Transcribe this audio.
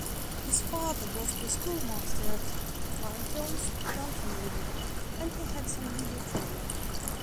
His father was the schoolmaster at Limekilns, Dunfermline, and he had some legal training.